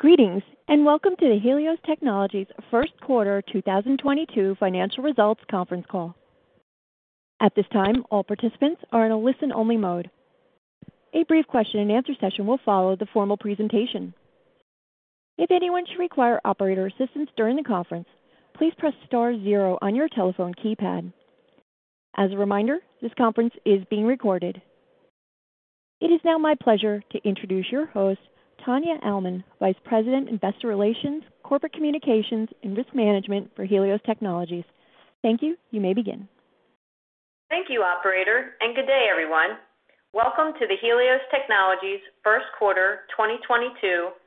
Greetings, and welcome to the Helios Technologies First Quarter 2022 Financial Results Conference Call. At this time, all participants are in a listen-only mode. A brief question-and-answer session will follow the formal presentation. If anyone should require operator assistance during the conference, please press star zero on your telephone keypad. As a reminder, this conference is being recorded. It is now my pleasure to introduce your host, Tania Almond, Vice President, Investor Relations, Corporate Communications, and Risk Management for Helios Technologies. Thank you. You may begin. Thank you operator, and good day, everyone. Welcome to the Helios technologies first quarter 2022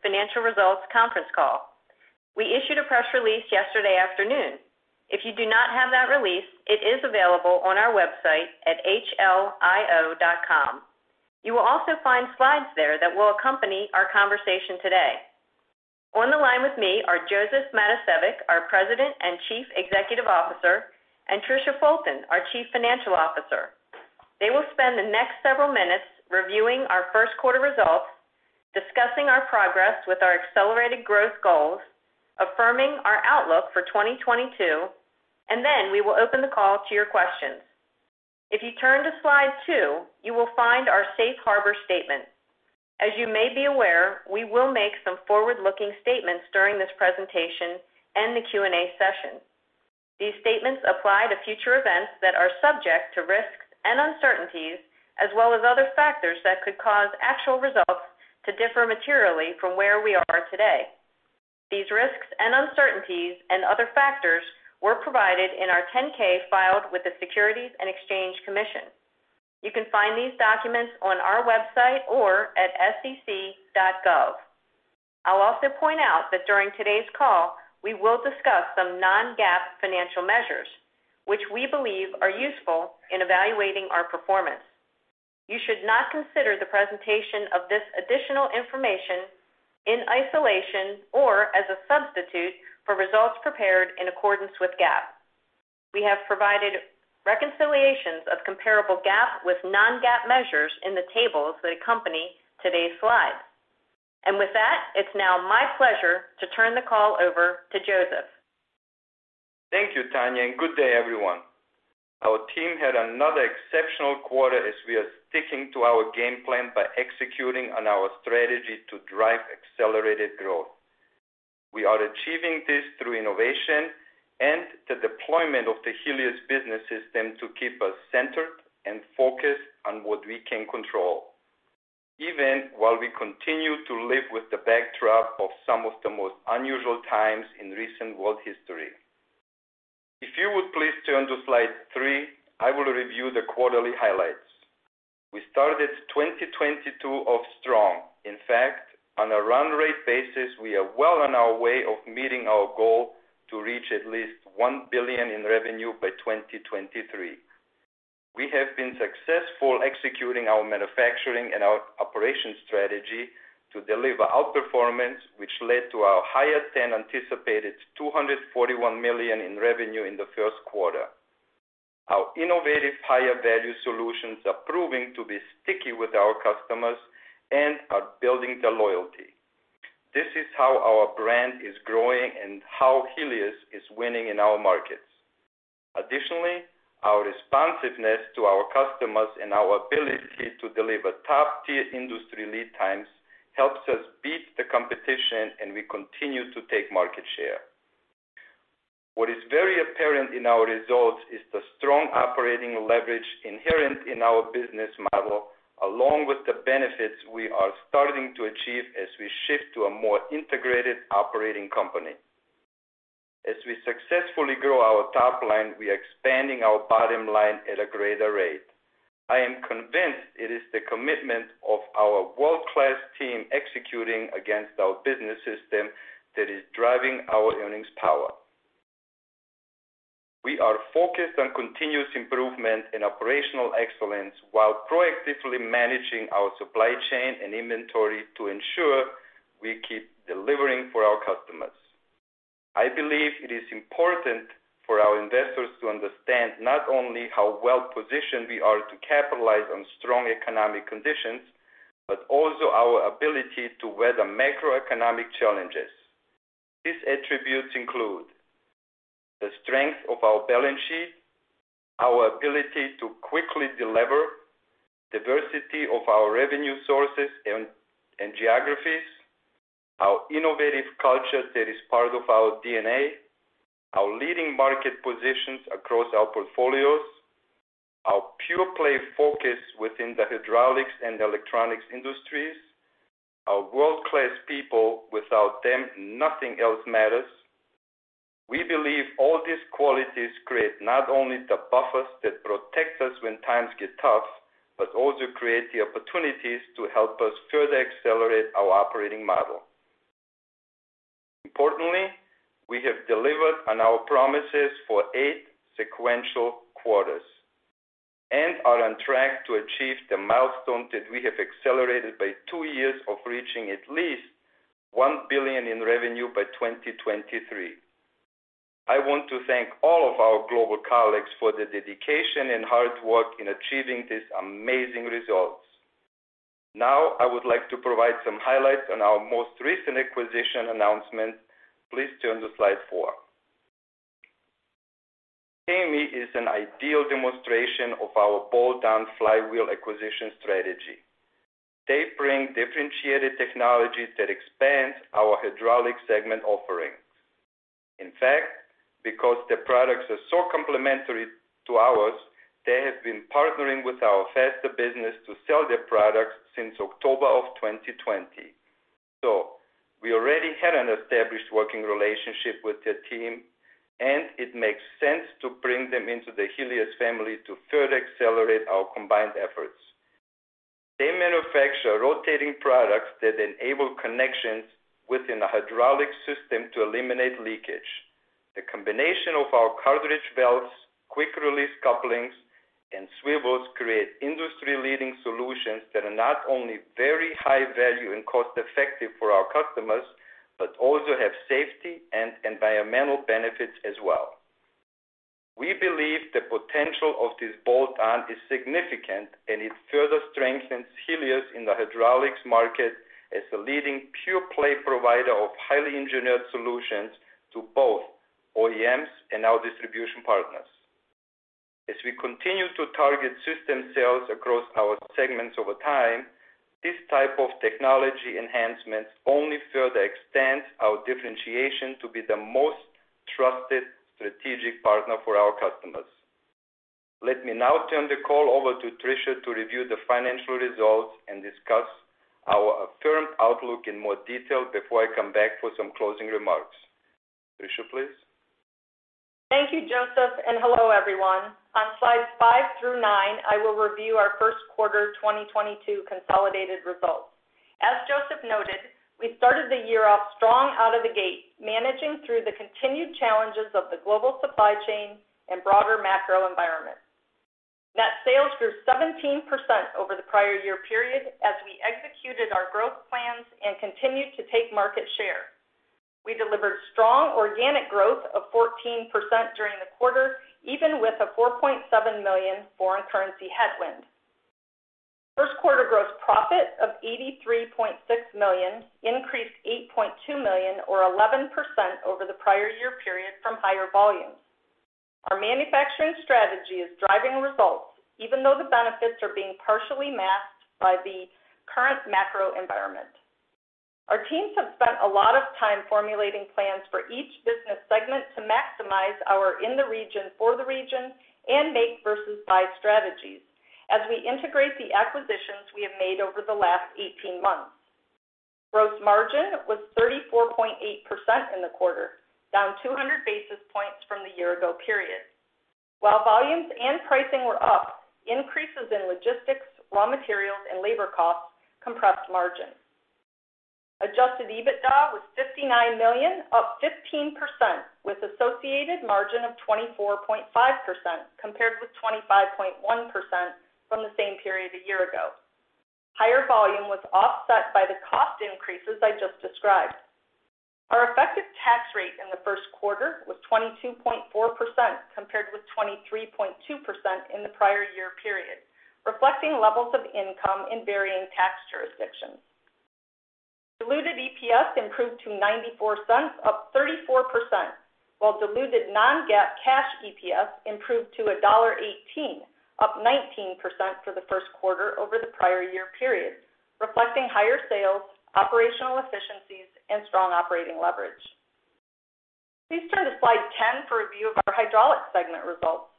financial results conference call. We issued a press release yesterday afternoon. If you do not have that release, it is available on our website at hlio.com. You will also find slides there that will accompany our conversation today. On the line with me are Josef Matosevic, our President and Chief Executive Officer, and Tricia Fulton, our Chief Financial Officer. They will spend the next several minutes reviewing our first quarter results, discussing our progress with our accelerated growth goals, affirming our outlook for 2022, and then we will open the call to your questions. If you turn to slide two, you will find our safe harbor statement. As you may be aware, we will make some forward-looking statements during this presentation and the Q&A session. These statements apply to future events that are subject to risks and uncertainties, as well as other factors that could cause actual results to differ materially from where we are today. These risks and uncertainties and other factors were provided in our 10-K filed with the Securities and Exchange Commission. You can find these documents on our website or at sec.gov. I'll also point out that during today's call, we will discuss some non-GAAP financial measures which we believe are useful in evaluating our performance. You should not consider the presentation of this additional information in isolation or as a substitute for results prepared in accordance with GAAP. We have provided reconciliations of comparable GAAP with non-GAAP measures in the tables that accompany today's slides. With that, it's now my pleasure to turn the call over to Josef. Thank you, Tania, and good day, everyone. Our team had another exceptional quarter as we are sticking to our game plan by executing on our strategy to drive accelerated growth. We are achieving this through innovation and the deployment of the Helios Business System to keep us centered and focused on what we can control, even while we continue to live with the backdrop of some of the most unusual times in recent world history. If you would please turn to slide three, I will review the quarterly highlights. We started 2022 off strong. In fact, on a run rate basis, we are well on our way of meeting our goal to reach at least $1 billion in revenue by 2023. We have been successful executing our manufacturing and our operations strategy to deliver outperformance, which led to our highest and anticipated $241 million in revenue in the first quarter. Our innovative higher-value solutions are proving to be sticky with our customers and are building their loyalty. This is how our brand is growing and how Helios is winning in our markets. Additionally, our responsiveness to our customers and our ability to deliver top-tier industry lead times helps us beat the competition, and we continue to take market share. What is very apparent in our results is the strong operating leverage inherent in our business model, along with the benefits we are starting to achieve as we shift to a more integrated operating company. As we successfully grow our top line, we are expanding our bottom line at a greater rate. I am convinced it is the commitment of our world-class team executing against our business system that is driving our earnings power. We are focused on continuous improvement in operational excellence while proactively managing our supply chain and inventory to ensure we keep delivering for our customers. I believe it is important for our investors to understand not only how well-positioned we are to capitalize on strong economic conditions, but also our ability to weather macroeconomic challenges. These attributes include the strength of our balance sheet, our ability to quickly delever, diversity of our revenue sources and geographies, our innovative culture that is part of our DNA, our leading market positions across our portfolios, our pure play focus within the hydraulics and electronics industries, our world-class people. Without them, nothing else matters. We believe all these qualities create not only the buffers that protect us when times get tough, but also create the opportunities to help us further accelerate our operating model. Importantly, we have delivered on our promises for eight sequential quarters and are on track to achieve the milestone that we have accelerated by two years of reaching at least $1 billion in revenue by 2023. I want to thank all of our global colleagues for their dedication and hard work in achieving these amazing results. Now, I would like to provide some highlights on our most recent acquisition announcement. Please turn to slide four. NEM is an ideal demonstration of our bolt-on flywheel acquisition strategy. They bring differentiated technologies that expand our hydraulics segment offerings. In fact, because their products are so complementary to ours, they have been partnering with our Faster business to sell their products since October of 2020. We already had an established working relationship with their team, and it makes sense to bring them into the Helios family to further accelerate our combined efforts. They manufacture rotating products that enable connections within a hydraulic system to eliminate leakage. The combination of our cartridge valves, quick release couplings, and swivels create industry-leading solutions that are not only very high value and cost-effective for our customers, but also have safety and environmental benefits as well. We believe the potential of this bolt-on is significant, and it further strengthens Helios in the hydraulics market as a leading pure-play provider of highly engineered solutions to both OEMs and our distribution partners. As we continue to target system sales across our segments over time, this type of technology enhancements only further extends our differentiation to be the most trusted strategic partner for our customers. Let me now turn the call over to Tricia to review the financial results and discuss our affirmed outlook in more detail before I come back for some closing remarks. Tricia, please. Thank you, Josef, and hello, everyone. On slides five through nine, I will review our first quarter 2022 consolidated results. As Josef noted, we started the year off strong out of the gate, managing through the continued challenges of the global supply chain and broader macro environment. Net sales grew 17% over the prior year period as we executed our growth plans and continued to take market share. We delivered strong organic growth of 14% during the quarter, even with a $4.7 million foreign currency headwind. First quarter gross profit of $83.6 million increased $8.2 million or 11% over the prior year period from higher volumes. Our manufacturing strategy is driving results, even though the benefits are being partially masked by the current macro environment. Our teams have spent a lot of time formulating plans for each business segment to maximize our manufacturing in the region for the region and make versus buy strategies as we integrate the acquisitions we have made over the last 18 months. Gross margin was 34.8% in the quarter, down 200 basis points from the year ago period. While volumes and pricing were up, increases in logistics, raw materials, and labor costs compressed margins. Adjusted EBITDA was $59 million, up 15% with associated margin of 24.5% compared with 25.1% from the same period a year ago. Higher volume was offset by the cost increases I just described. Our effective tax rate in the first quarter was 22.4% compared with 23.2% in the prior year period, reflecting levels of income in varying tax jurisdictions. Diluted EPS improved to $0.94, up 34%, while diluted non-GAAP cash EPS improved to $1.18, up 19% for the first quarter over the prior year period, reflecting higher sales, operational efficiencies, and strong operating leverage. Please turn to slide 10 for a view of our hydraulics segment results.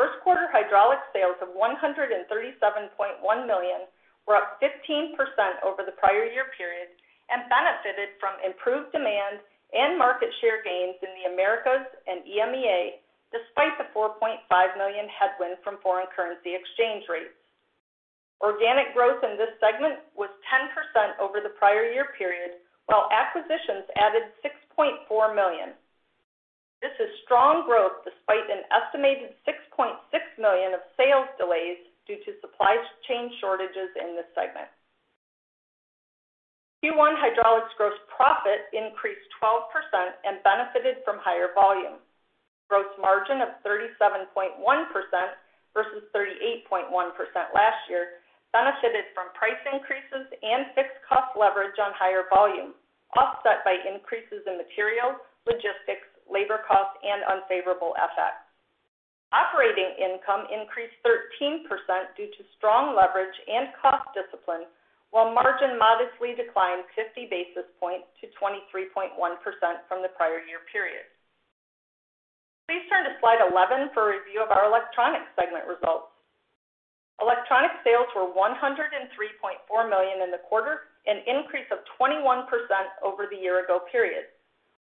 First quarter hydraulics sales of $137.1 million were up 15% over the prior year period and benefited from improved demand and market share gains in the Americas and EMEA, despite the $4.5 million headwind from foreign currency exchange rates. Organic growth in this segment was 10% over the prior year period, while acquisitions added $6.4 million. This is strong growth despite an estimated $6.6 million of sales delays due to supply chain shortages in this segment. Q1 hydraulics gross profit increased 12% and benefited from higher volumes. Gross margin of 37.1% versus 38.1% last year benefited from price increases and fixed cost leverage on higher volumes, offset by increases in materials, logistics, labor costs, and unfavorable FX. Operating income increased 13% due to strong leverage and cost discipline, while margin modestly declined 50 basis points to 23.1% from the prior year period. Please turn to slide 11 for a review of our electronics segment results. Electronics sales were $103.4 million in the quarter, an increase of 21% over the year ago period.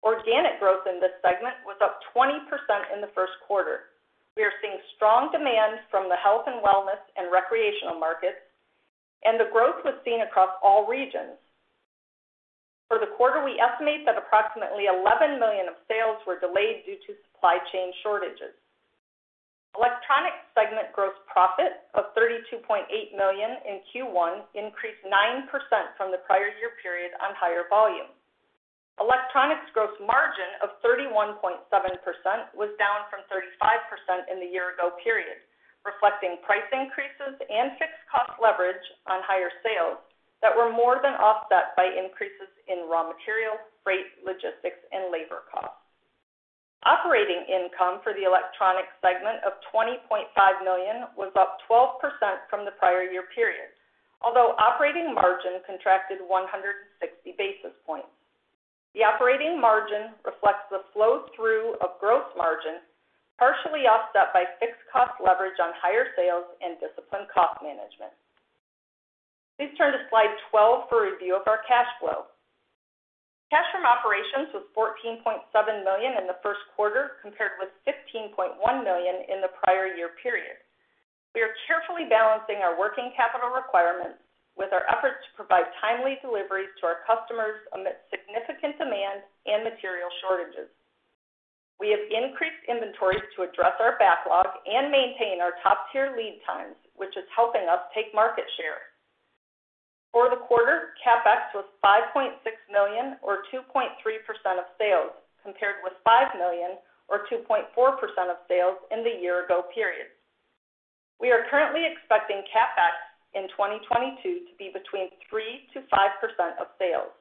Organic growth in this segment was up 20% in the first quarter. We are seeing strong demand from the health and wellness and recreational markets, and the growth was seen across all regions. For the quarter, we estimate that approximately $11 million of sales were delayed due to supply chain shortages. Electronics segment gross profit of $32.8 million in Q1 increased 9% from the prior year period on higher volume. Electronics gross margin of 31.7% was down from 35% in the year ago period, reflecting price increases and fixed cost leverage on higher sales that were more than offset by increases in raw material, freight, logistics, and labor costs. Operating income for the electronics segment of $20.5 million was up 12% from the prior year period. Although operating margin contracted 160 basis points. The operating margin reflects the flow-through of gross margin, partially offset by fixed cost leverage on higher sales and disciplined cost management. Please turn to slide 12 for a review of our cash flow. Cash from operations was $14.7 million in the first quarter, compared with $15.1 million in the prior year period. We are carefully balancing our working capital requirements with our efforts to provide timely deliveries to our customers amidst significant demand and material shortages. We have increased inventories to address our backlog and maintain our top-tier lead times, which is helping us take market share. For the quarter, CapEx was $5.6 million or 2.3% of sales, compared with $5 million or 2.4% of sales in the year ago period. We are currently expecting CapEx in 2022 to be between 3%-5% of sales.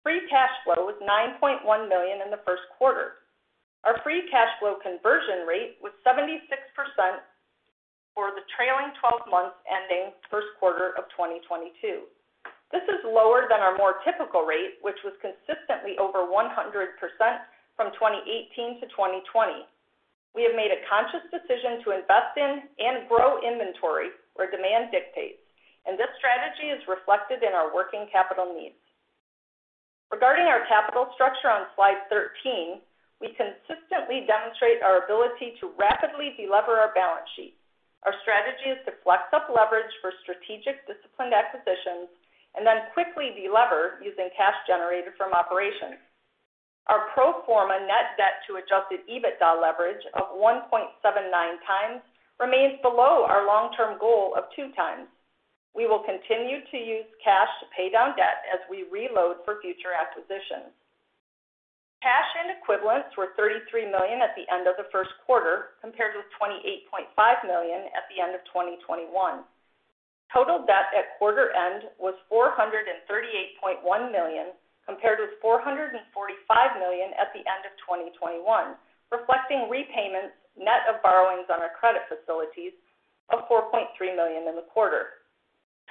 Free cash flow was $9.1 million in the first quarter. Our free cash flow conversion rate was 76% for the trailing twelve months ending first quarter of 2022. This is lower than our more typical rate, which was consistently over 100% from 2018 to 2020. We have made a conscious decision to invest in and grow inventory where demand dictates, and this strategy is reflected in our working capital needs. Regarding our capital structure on slide 13, we consistently demonstrate our ability to rapidly de-lever our balance sheet. Our strategy is to flex up leverage for strategic disciplined acquisitions and then quickly de-lever using cash generated from operations. Our pro forma net debt to adjusted EBITDA leverage of 1.79 remains below our long-term goal of two. We will continue to use cash to pay down debt as we reload for future acquisitions. Cash and equivalents were $33 million at the end of the first quarter, compared with $28.5 million at the end of 2021. Total debt at quarter end was $438.1 million, compared with $445 million at the end of 2021, reflecting repayments net of borrowings on our credit facilities of $4.3 million in the quarter.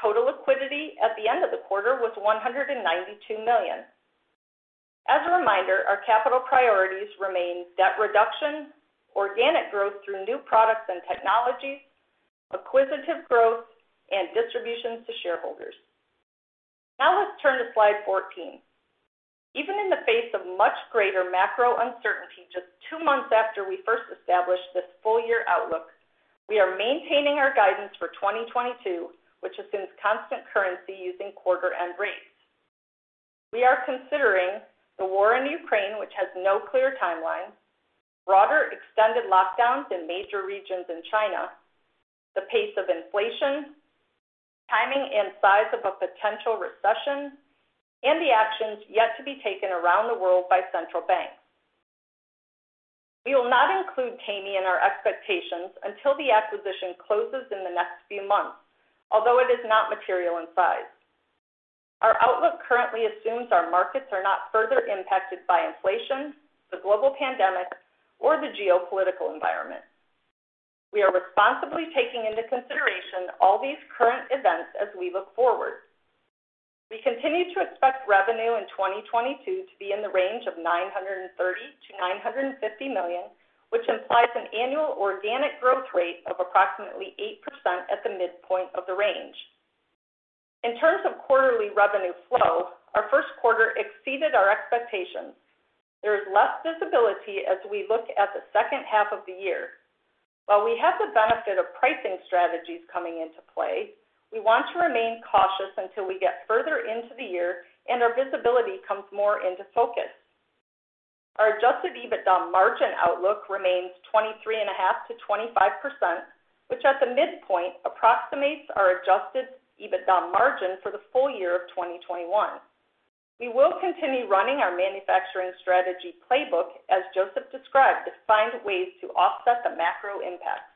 Total liquidity at the end of the quarter was $192 million. As a reminder, our capital priorities remain debt reduction, organic growth through new products and technologies, acquisitive growth, and distributions to shareholders. Now let's turn to slide 14. Even in the face of much greater macro uncertainty, just two months after we first established this full-year outlook, we are maintaining our guidance for 2022, which assumes constant currency using quarter end rates. We are considering the war in Ukraine, which has no clear timeline, broader extended lockdowns in major regions in China, the pace of inflation, timing and size of a potential recession, and the actions yet to be taken around the world by central banks. We will not include Taimi in our expectations until the acquisition closes in the next few months, although it is not material in size. Our outlook currently assumes our markets are not further impacted by inflation, the global pandemic, or the geopolitical environment. We are responsibly taking into consideration all these current events as we look forward. We continue to expect revenue in 2022 to be in the range of $930 million-$950 million, which implies an annual organic growth rate of approximately 8% at the midpoint of the range. In terms of quarterly revenue flow, our first quarter exceeded our expectations. There is less visibility as we look at the second half of the year. While we have the benefit of pricing strategies coming into play, we want to remain cautious until we get further into the year and our visibility comes more into focus. Our adjusted EBITDA margin outlook remains 23.5%-25%, which at the midpoint approximates our adjusted EBITDA margin for the full year of 2021. We will continue running our manufacturing strategy playbook, as Josef described, to find ways to offset the macro impacts.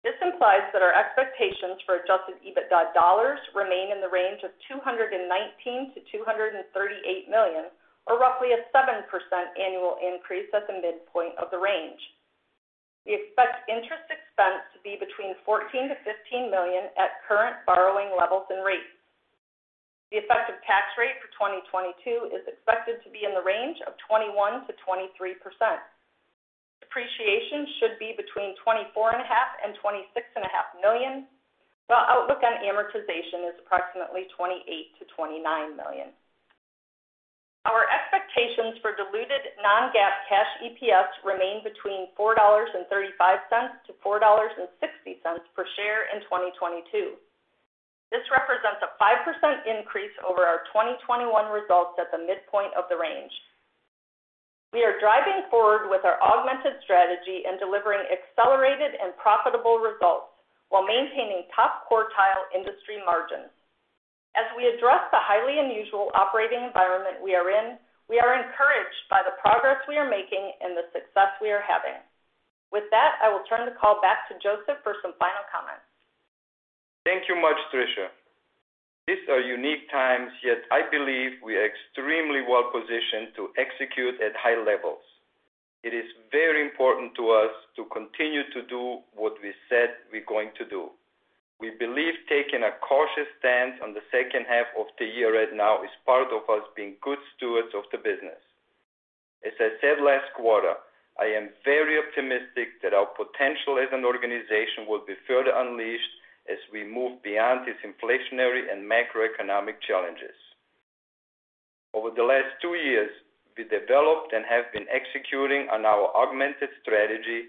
This implies that our expectations for adjusted EBITDA dollars remain in the range of $219 million-$238 million, or roughly a 7% annual increase at the midpoint of the range. We expect interest expense to be between $14 million-$15 million at current borrowing levels and rates. The effective tax rate for 2022 is expected to be in the range of 21%-23%. Depreciation should be between $24.5 million-$26.5 million, while outlook on amortization is approximately $28 million-$29 million. Our expectations for diluted non-GAAP cash EPS remain between $4.35-$4.60 per share in 2022. This represents a 5% increase over our 2021 results at the midpoint of the range. We are driving forward with our augmented strategy and delivering accelerated and profitable results while maintaining top quartile industry margins. We are encouraged by the progress we are making and the success we are having. With that, I will turn the call back to Josef for some final comments. Thank you much, Tricia. These are unique times, yet I believe we are extremely well positioned to execute at high levels. It is very important to us to continue to do what we said we're going to do. We believe taking a cautious stance on the second half of the year right now is part of us being good stewards of the business. As I said last quarter, I am very optimistic that our potential as an organization will be further unleashed as we move beyond these inflationary and macroeconomic challenges. Over the last two years, we developed and have been executing on our augmented strategy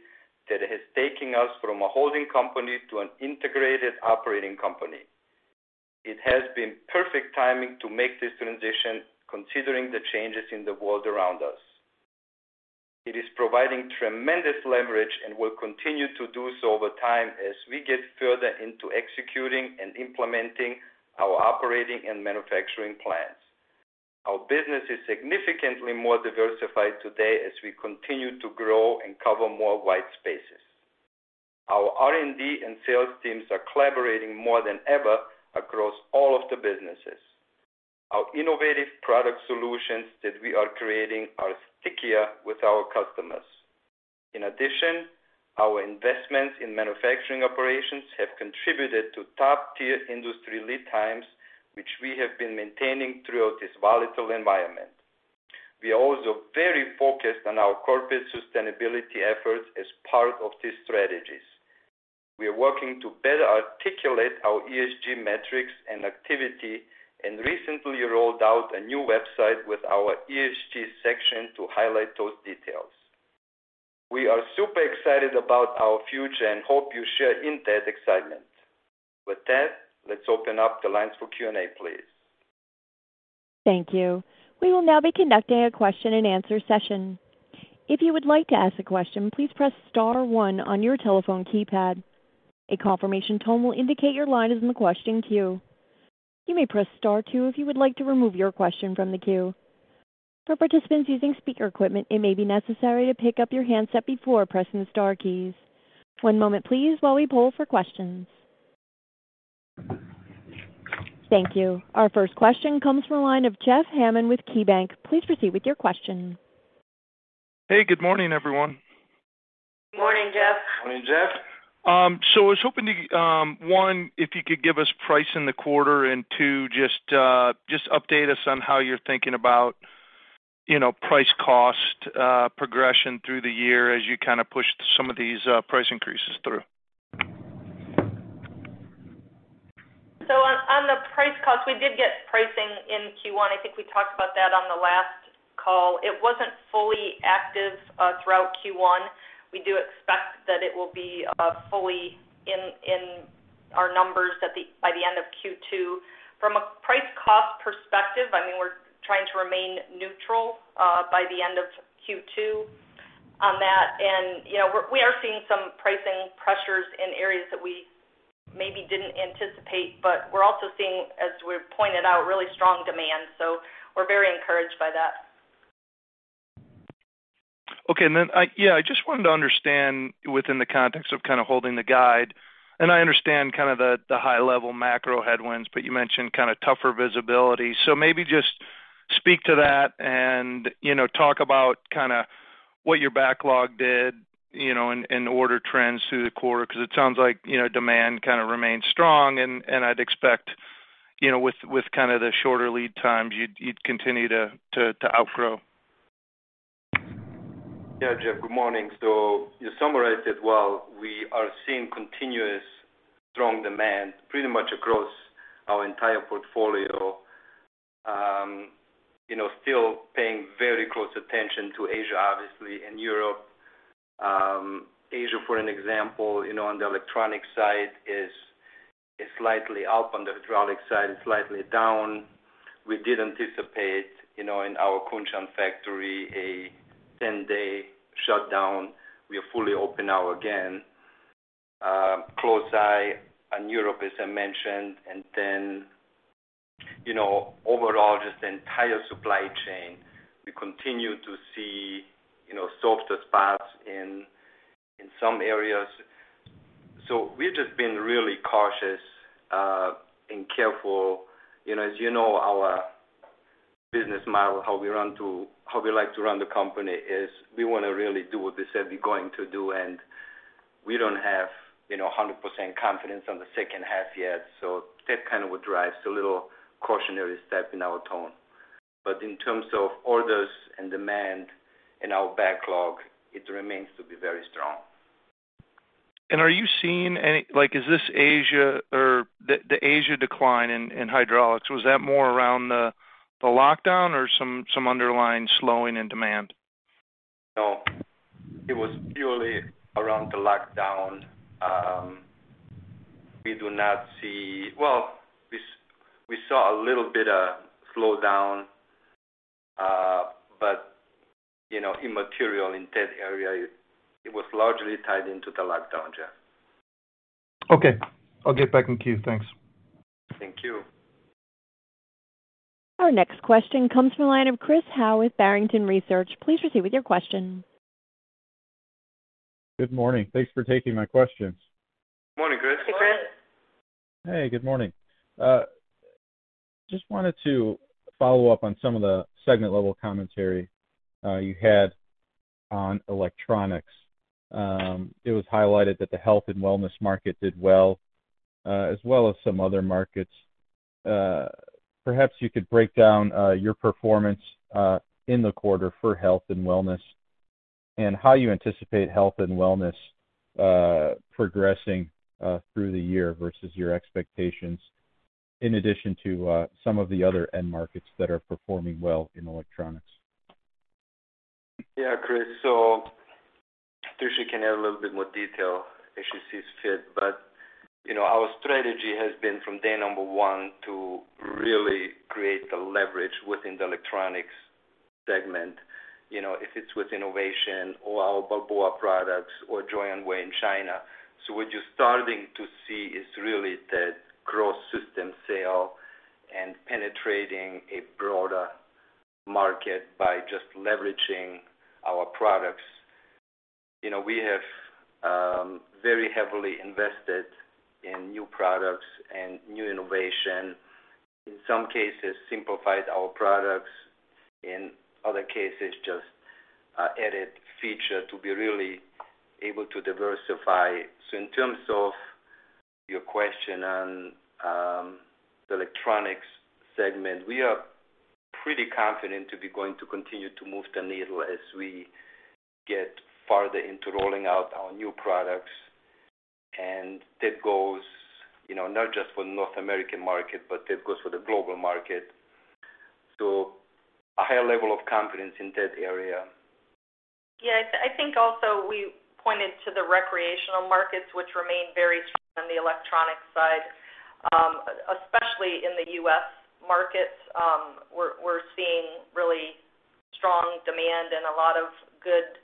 that has taken us from a holding company to an integrated operating company. It has been perfect timing to make this transition considering the changes in the world around us. It is providing tremendous leverage and will continue to do so over time as we get further into executing and implementing our operating and manufacturing plans. Our business is significantly more diversified today as we continue to grow and cover more white spaces. Our R&D and sales teams are collaborating more than ever across all of the businesses. Our innovative product solutions that we are creating are stickier with our customers. In addition, our investments in manufacturing operations have contributed to top-tier industry lead times, which we have been maintaining throughout this volatile environment. We are also very focused on our corporate sustainability efforts as part of these strategies. We are working to better articulate our ESG metrics and activity and recently rolled out a new website with our ESG section to highlight those details. We are super excited about our future and hope you share in that excitement. With that, let's open up the lines for Q&A, please. Thank you. We will now be conducting a question-and-answer session. If you would like to ask a question, please press star one on your telephone keypad. A confirmation tone will indicate your line is in the question queue. You may press star two if you would like to remove your question from the queue. For participants using speaker equipment, it may be necessary to pick up your handset before pressing the star keys. One moment please while we poll for questions. Thank you. Our first question comes from the line of Jeff Hammond with KeyBanc Capital Markets. Please proceed with your question. Hey, good morning, everyone. Morning, Jeff. Morning, Jeff. I was hoping to one, if you could give us pricing in the quarter and two just update us on how you're thinking about, you know, price-cost progression through the year as you kind of push some of these price increases through. On the price cost, we did get pricing in Q1. I think we talked about that on the last call. It wasn't fully active throughout Q1. We do expect that it will be fully in our numbers by the end of Q2. From a price cost perspective, I mean, we're trying to remain neutral by the end of Q2 on that. You know, we are seeing some pricing pressures in areas that we maybe didn't anticipate, but we're also seeing, as we've pointed out, really strong demand. We're very encouraged by that. Okay. Then yeah, I just wanted to understand within the context of kind of holding the guide, and I understand kind of the high-level macro headwinds, but you mentioned kind of tougher visibility. So maybe just speak to that and, you know, talk about kind of what your backlog did, you know, in order trends through the quarter, 'cause it sounds like, you know, demand kind of remains strong and I'd expect, you know, with kind of the shorter lead times you'd continue to outgrow. Yeah, Jeff, good morning. You summarized it well. We are seeing continuous strong demand pretty much across our entire portfolio. You know, still paying very close attention to Asia, obviously, and Europe. Asia, for an example, you know, on the electronic side is slightly up. On the hydraulic side, it's slightly down. We did anticipate, you know, in our Kunshan factory, a 10-day shutdown. We are fully open now again. Close eye on Europe, as I mentioned, and then, you know, overall just the entire supply chain. We continue to see, you know, softer spots in some areas. We've just been really cautious and careful. You know, as you know, our business model, how we like to run the company is we wanna really do what we said we're going to do, and we don't have, you know, 100% confidence on the second half yet. That kind of what drives a little cautionary step in our tone. In terms of orders and demand in our backlog, it remains to be very strong. Are you seeing any—like, is this Asia or the Asia decline in hydraulics, was that more around the lockdown or some underlying slowing in demand? No, it was purely around the lockdown. Well, we saw a little bit of slowdown, but you know, immaterial in that area. It was largely tied into the lockdown. Yeah. Okay. I'll get back in queue. Thanks. Thank you. Our next question comes from the line of Chris Howe with Barrington Research. Please proceed with your question. Good morning. Thanks for taking my questions. Morning, Chris. Hey, Chris. Hey, good morning. Just wanted to follow up on some of the segment level commentary, you had on electronics. It was highlighted that the health and wellness market did well, as well as some other markets. Perhaps you could break down, your performance, in the quarter for health and wellness, and how you anticipate health and wellness, progressing, through the year versus your expectations, in addition to, some of the other end markets that are performing well in electronics. Yeah, Chris. Tricia can add a little bit more detail if she sees fit. You know, our strategy has been from day number one to really create the leverage within the electronics segment, you know, if it's with innovation or our Balboa products or Joyonway in China. What you're starting to see is really that growth system sale and penetrating a broader market by just leveraging our products. You know, we have very heavily invested in new products and new innovation. In some cases, simplified our products. In other cases, just added feature to be really able to diversify. In terms of your question on the electronics segment, we are pretty confident to be going to continue to move the needle as we get farther into rolling out our new products. That goes, you know, not just for North American market, but that goes for the global market. A higher level of confidence in that area. Yeah. I think also we pointed to the recreational markets, which remain very strong on the electronic side, especially in the U.S. markets. We're seeing really strong demand and a lot of good,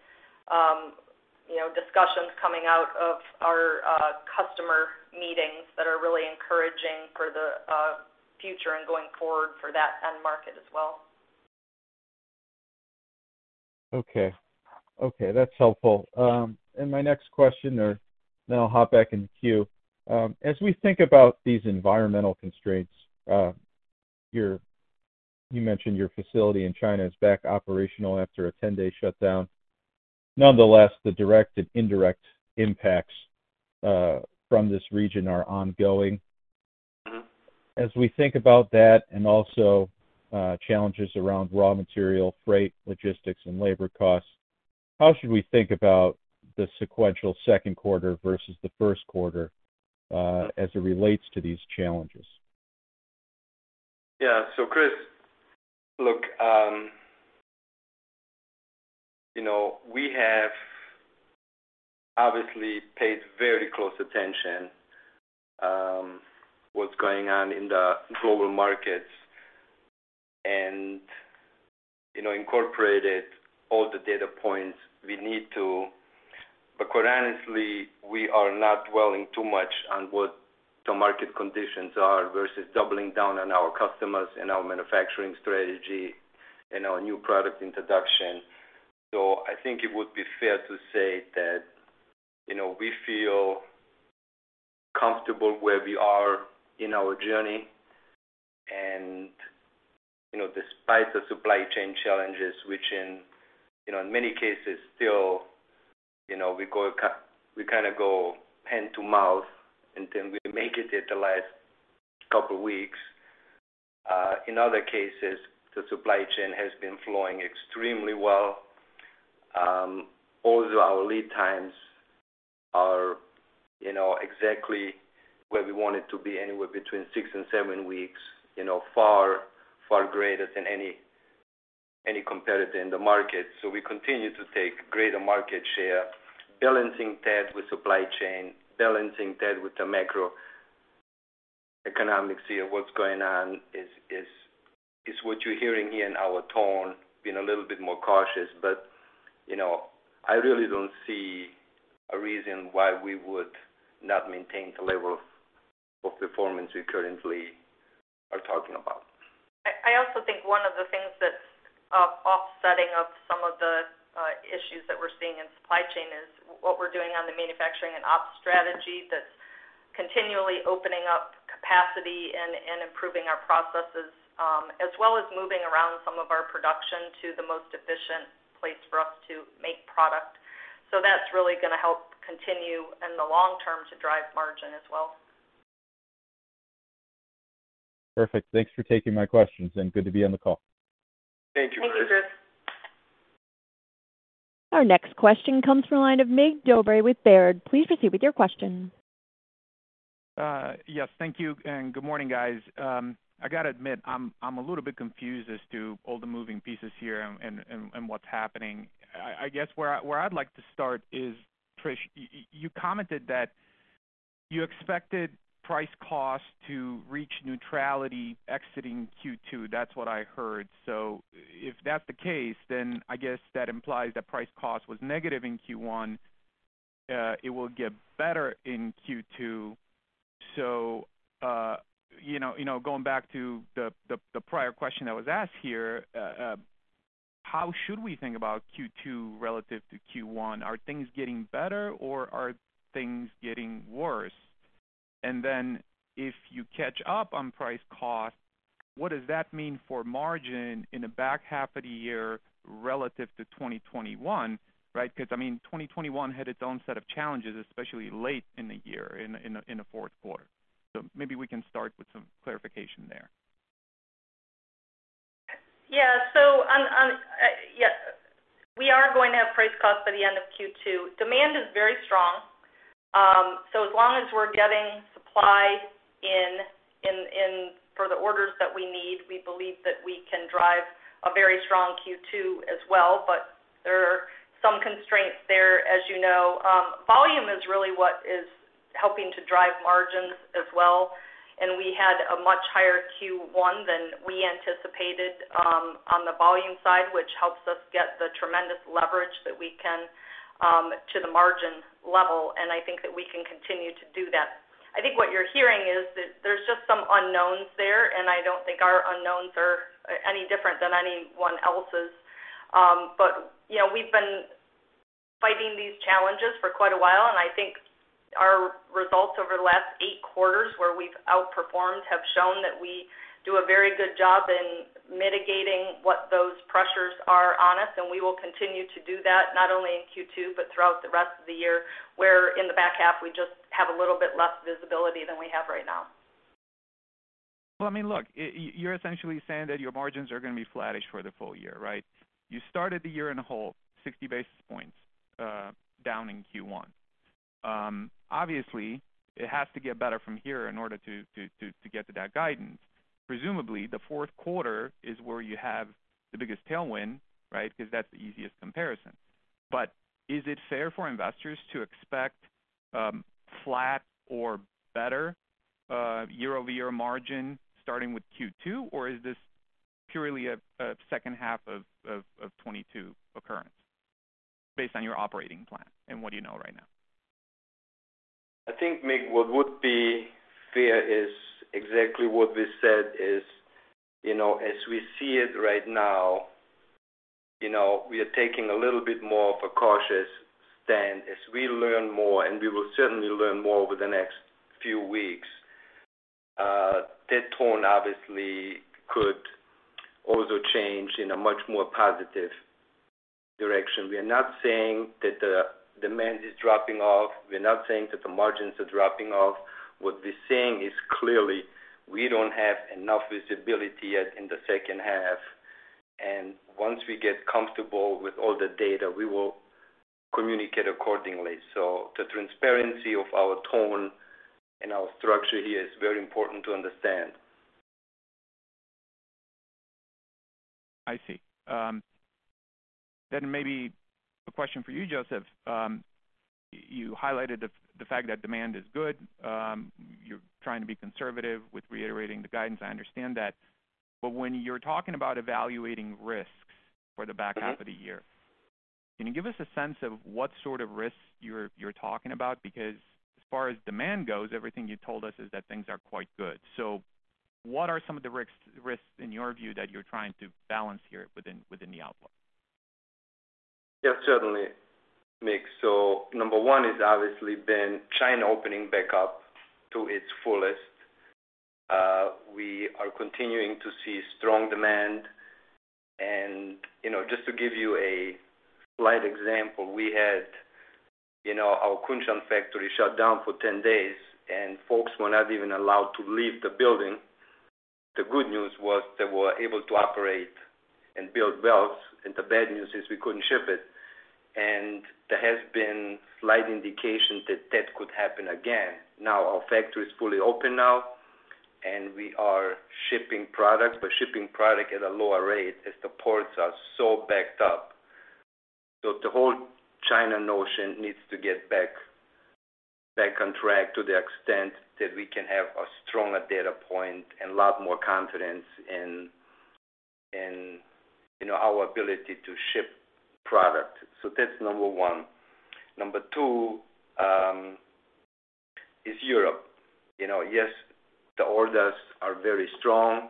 you know, discussions coming out of our customer meetings that are really encouraging for the future and going forward for that end market as well. Okay. Okay, that's helpful. My next question or then I'll hop back in queue. As we think about these environmental constraints, you mentioned your facility in China is back operational after a 10-day shutdown. Nonetheless, the direct and indirect impacts from this region are ongoing. Mm-hmm. As we think about that and also, challenges around raw material, freight, logistics, and labor costs, how should we think about the sequential second quarter versus the first quarter, as it relates to these challenges? Yeah. Chris, look, you know, we have obviously paid very close attention, what's going on in the global markets and, you know, incorporated all the data points we need to. Quite honestly, we are not dwelling too much on what the market conditions are versus doubling down on our customers and our manufacturing strategy and our new product introduction. I think it would be fair to say that, you know, we feel comfortable where we are in our journey and, you know, despite the supply chain challenges, which in, you know, in many cases still, you know, we kind of go hand to mouth, and then we make it at the last couple weeks. In other cases, the supply chain has been flowing extremely well. Also our lead times are, you know, exactly where we want it to be, anywhere between six and seven weeks. You know, far greater than any competitor in the market. We continue to take greater market share, balancing that with supply chain, balancing that with the macroeconomics here. What's going on is what you're hearing here in our tone, being a little bit more cautious. You know, I really don't see a reason why we would not maintain the level of performance we currently are talking about. I also think one of the things that's offsetting some of the issues that we're seeing in supply chain is what we're doing on the manufacturing and ops strategy that's continually opening up capacity and improving our processes, as well as moving around some of our production to the most efficient place for us to make product. That's really gonna help continue in the long term to drive margin as well. Perfect. Thanks for taking my questions, and good to be on the call. Thank you, Chris. Thank you, Chris. Our next question comes from the line of Mig Dobre with Baird. Please proceed with your question. Yes. Thank you, and good morning, guys. I gotta admit, I'm a little bit confused as to all the moving pieces here and what's happening. I guess where I'd like to start is, Trish, you commented that you expected price cost to reach neutrality exiting Q2. That's what I heard. If that's the case, then I guess that implies that price cost was negative in Q1. It will get better in Q2. So, you know, going back to the prior question that was asked here, how should we think about Q2 relative to Q1? Are things getting better or are things getting worse? Then if you catch up on price cost, what does that mean for margin in the back half of the year relative to 2021, right? Because, I mean, 2021 had its own set of challenges, especially late in the year, in the fourth quarter. Maybe we can start with some clarification there. Yes, we are going to have price cost by the end of Q2. Demand is very strong. As long as we're getting supply in for the orders that we need, we believe that we can drive a very strong Q2 as well. There are some constraints there. As you know, volume is really what is helping to drive margins as well. We had a much higher Q1 than we anticipated on the volume side, which helps us get the tremendous leverage that we can to the margin level. I think that we can continue to do that. I think what you're hearing is that there's just some unknowns there, and I don't think our unknowns are any different than anyone else's. You know, we've been fighting these challenges for quite a while, and I think our results over the last eight quarters where we've outperformed have shown that we do a very good job in mitigating what those pressures are on us, and we will continue to do that not only in Q2 but throughout the rest of the year, where in the back half we just have a little bit less visibility than we have right now. Well, I mean, look, you're essentially saying that your margins are gonna be flattish for the full year, right? You started the year in a hole 60 basis points down in Q1. Obviously it has to get better from here in order to get to that guidance. Presumably, the fourth quarter is where you have the biggest tailwind, right? Because that's the easiest comparison. Is it fair for investors to expect flat or better year-over-year margin starting with Q2? Or is this purely a second half of 2022 occurrence based on your operating plan and what you know right now? I think, Mig, what would be fair is exactly what we said is, you know, as we see it right now, you know, we are taking a little bit more of a cautious stand. As we learn more, and we will certainly learn more over the next few weeks, that tone obviously could also change in a much more positive direction. We are not saying that the demand is dropping off. We're not saying that the margins are dropping off. What we're saying is, clearly, we don't have enough visibility yet in the second half, and once we get comfortable with all the data, we will communicate accordingly. The transparency of our tone and our structure here is very important to understand. I see. Then maybe a question for you, Josef. You highlighted the fact that demand is good. You're trying to be conservative with reiterating the guidance. I understand that. When you're talking about evaluating risks for the back half of the year, can you give us a sense of what sort of risks you're talking about? Because as far as demand goes, everything you told us is that things are quite good. What are some of the risks in your view that you're trying to balance here within the outlook? Yes, certainly, Mig. Number one is obviously been China opening back up to its fullest. We are continuing to see strong demand. You know, just to give you a slight example, we had, you know, our Kunshan factory shut down for 10 days, and folks were not even allowed to leave the building. The good news was they were able to operate and build belts, and the bad news is we couldn't ship it. There has been slight indication that that could happen again. Our factory is fully open now, and we are shipping products, but shipping product at a lower rate as the ports are so backed up. The whole China notion needs to get back on track to the extent that we can have a stronger data point and a lot more confidence in you know, our ability to ship product. That's number one. Number two is Europe. You know, yes, the orders are very strong.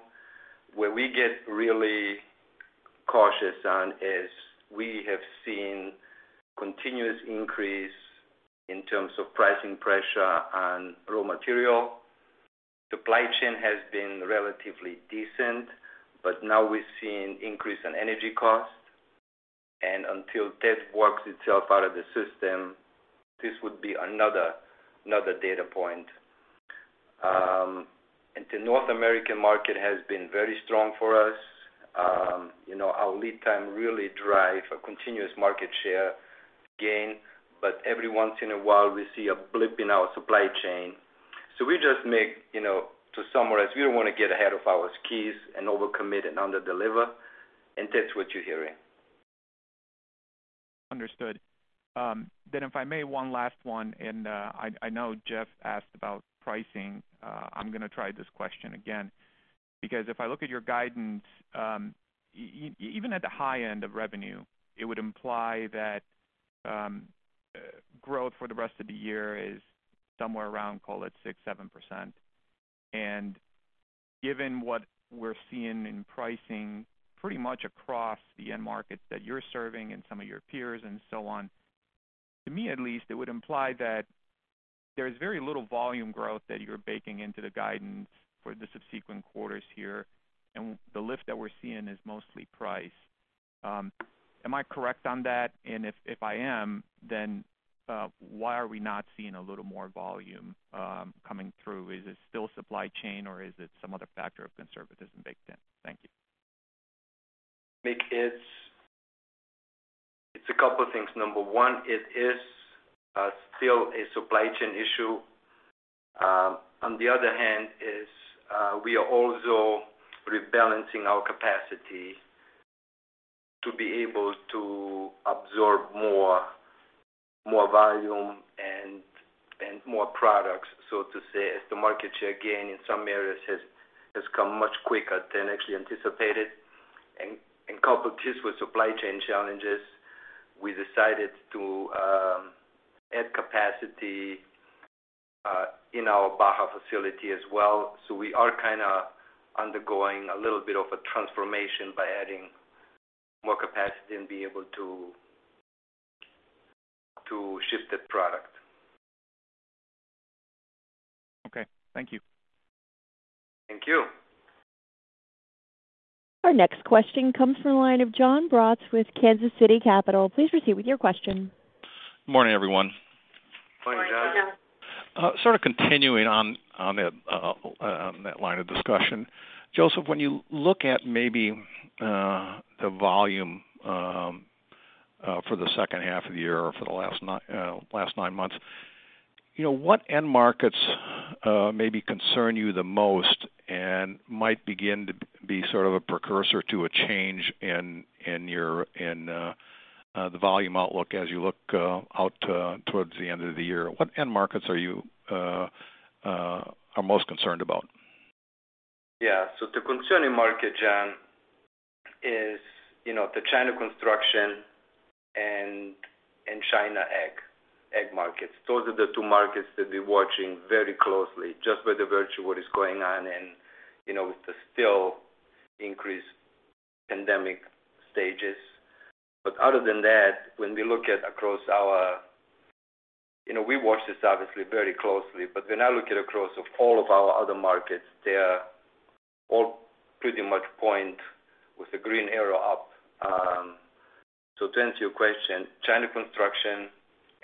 Where we get really cautious on is we have seen continuous increase in terms of pricing pressure on raw material. Supply chain has been relatively decent, but now we're seeing increase in energy cost. Until that works itself out of the system, this would be another data point. The North American market has been very strong for us. You know, our lead time really drive a continuous market share gain, but every once in a while we see a blip in our supply chain. We just make, you know, to summarize, we don't want to get ahead of our skis and overcommit and underdeliver. That's what you're hearing. Understood. Then if I may, one last one, I know Jeff asked about pricing. I'm gonna try this question again. Because if I look at your guidance, even at the high end of revenue, it would imply that growth for the rest of the year is somewhere around, call it 6%-7%. Given what we're seeing in pricing pretty much across the end markets that you're serving and some of your peers and so on, to me at least, it would imply that there's very little volume growth that you're baking into the guidance for the subsequent quarters here, and the lift that we're seeing is mostly price. Am I correct on that? If I am, why are we not seeing a little more volume coming through? Is it still supply chain, or is it some other factor of conservatism baked in? Thank you. Mig, it's a couple things. Number one, it is still a supply chain issue. On the other hand, we are also rebalancing our capacity to be able to absorb more volume and more products, so to say, as the market share gain in some areas has come much quicker than actually anticipated. In a couple of cases with supply chain challenges, we decided to add capacity in our Baja facility as well. We are kinda undergoing a little bit of a transformation by adding more capacity and be able to ship the product. Okay. Thank you. Thank you. Our next question comes from the line of Jon Braatz with Kansas City Capital. Please proceed with your question. Morning, everyone. Morning, Jon. Morning, Jon. Sort of continuing on that line of discussion. Josef, when you look at maybe the volume for the second half of the year or for the last nine months. You know, what end markets maybe concern you the most and might begin to be sort of a precursor to a change in your volume outlook as you look out towards the end of the year? What end markets are you most concerned about? Yeah. The concerning market, Jon, is, you know, the China construction and China ag markets. Those are the two markets that we're watching very closely, just by virtue of what is going on and, you know, with the still increased pandemic stages. Other than that, when we look at across all of our other markets, they are all pretty much pointing with the green arrow up. To answer your question, China construction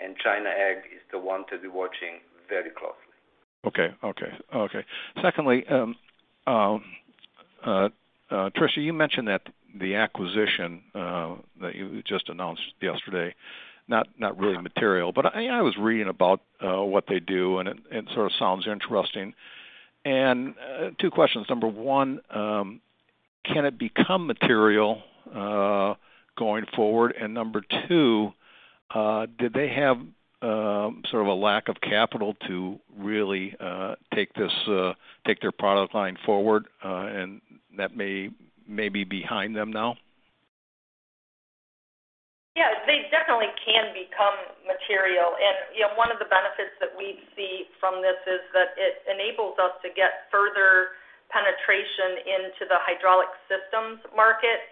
and China ag is the one to be watching very closely. Okay. Secondly, Tricia, you mentioned that the acquisition that you just announced yesterday, not really material, but I was reading about what they do, and it sort of sounds interesting. Two questions. Number one, can it become material going forward? Number two, did they have sort of a lack of capital to really take their product line forward, and that may be behind them now? Yeah. They definitely can become material. You know, one of the benefits that we see from this is that it enables us to get further penetration into the hydraulic systems market.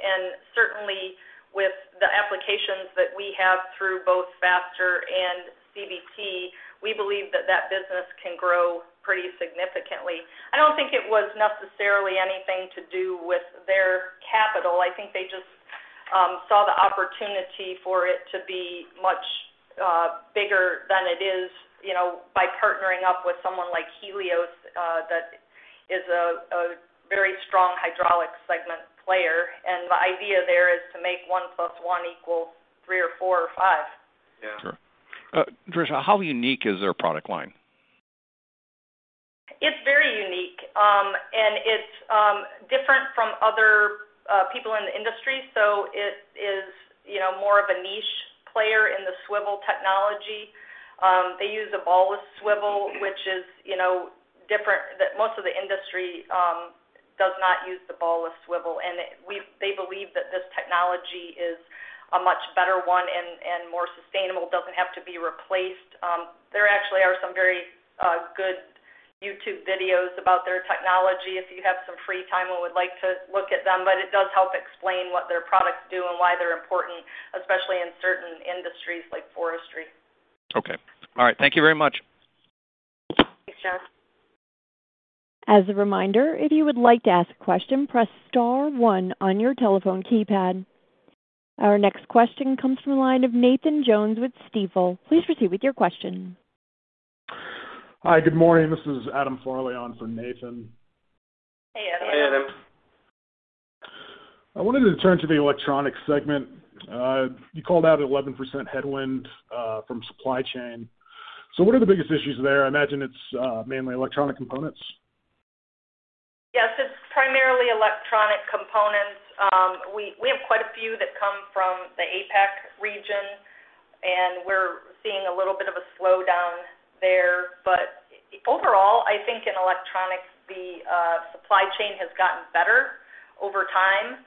Certainly with the applications that we have through both Faster and CBT, we believe that that business can grow pretty significantly. I don't think it was necessarily anything to do with their capital. I think they just saw the opportunity for it to be much bigger than it is, you know, by partnering up with someone like Helios that is a very strong hydraulic segment player. The idea there is to make one plus one equal three or four or five. Yeah. Sure. Tricia, how unique is their product line? It's very unique. It's different from other people in the industry. It is, you know, more of a niche player in the swivel technology. They use a ball-less swivel, which is, you know, different. That most of the industry does not use the ball-less swivel. They believe that this technology is a much better one and more sustainable, doesn't have to be replaced. There actually are some very good YouTube videos about their technology if you have some free time and would like to look at them, but it does help explain what their products do and why they're important, especially in certain industries like forestry. Okay. All right. Thank you very much. Thanks, Jon. As a reminder, if you would like to ask a question, press star one on your telephone keypad. Our next question comes from the line of Nathan Jones with Stifel. Please proceed with your question. Hi, good morning. This is Adam Farley on for Nathan. Hey, Adam. Hey, Adam. I wanted to turn to the electronics segment. You called out 11% headwind from supply chain. What are the biggest issues there? I imagine it's mainly electronic components. Yes, it's primarily electronic components. We have quite a few that come from the APAC region, and we're seeing a little bit of a slowdown there. Overall, I think in electronics, the supply chain has gotten better over time.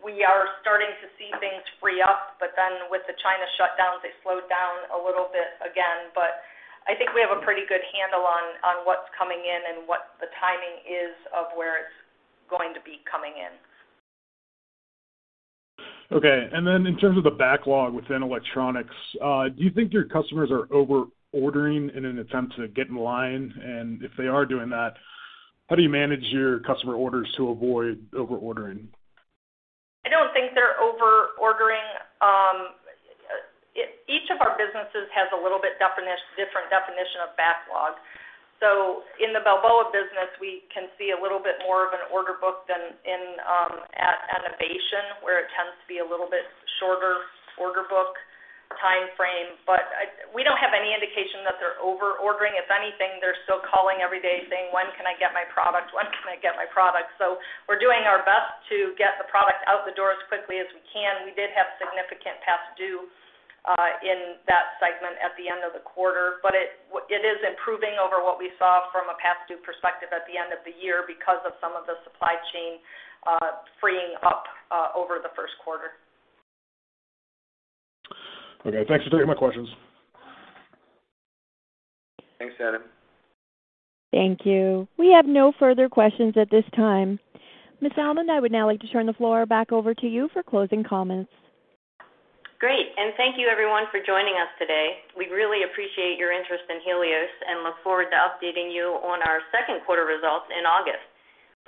We are starting to see things free up, but then with the China shutdowns, they slowed down a little bit again. I think we have a pretty good handle on what's coming in and what the timing is of where it's going to be coming in. Okay. In terms of the backlog within electronics, do you think your customers are over-ordering in an attempt to get in line? If they are doing that, how do you manage your customer orders to avoid over-ordering? I don't think they're over-ordering. Each of our businesses has a little bit different definition of backlog. In the Balboa business, we can see a little bit more of an order book than at Innovation, where it tends to be a little bit shorter order book timeframe. We don't have any indication that they're over-ordering. If anything, they're still calling every day saying, "When can I get my product? When can I get my product?" We're doing our best to get the product out the door as quickly as we can. We did have significant past due in that segment at the end of the quarter, but it is improving over what we saw from a past due perspective at the end of the year because of some of the supply chain freeing up over the first quarter. Okay, thanks for taking my questions. Thanks, Adam. Thank you. We have no further questions at this time. Ms. Almond, I would now like to turn the floor back over to you for closing comments. Great. Thank you everyone for joining us today. We really appreciate your interest in Helios and look forward to updating you on our second quarter results in August.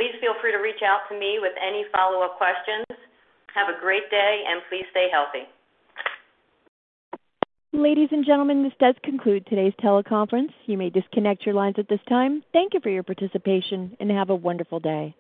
Please feel free to reach out to me with any follow-up questions. Have a great day, and please stay healthy. Ladies and gentlemen, this does conclude today's teleconference. You may disconnect your lines at this time. Thank you for your participation, and have a wonderful day.